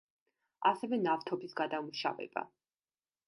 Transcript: ასევე ნავთობის გადამუშავება.